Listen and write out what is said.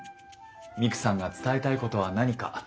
ミクさんが伝えたいことは何か？